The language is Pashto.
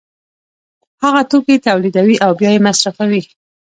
هغه توکي تولیدوي او بیا یې مصرفوي